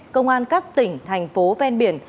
công an các tỉnh thành phố ven biển